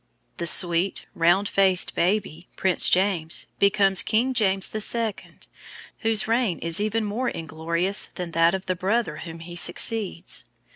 The sweet, round faced baby, Prince James, becomes King James II., whose reign is even more inglorious than that of the brother whom he succeeds.